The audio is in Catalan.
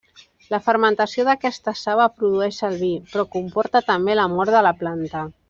La fermentació d'aquesta saba produeix el vi, però comporta també la mort de la planta.